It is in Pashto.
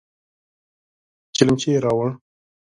چلمچي يې راووړ.